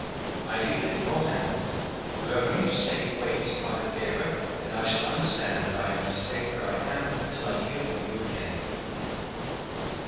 I leave it in your hands. You have only to say, Wait, by the bearer and I shall understand that I am to stay where I am till I hear from you again."